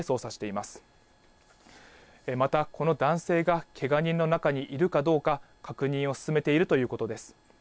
また、この男性がけが人の中にいるかどうか、確認を進めているということです。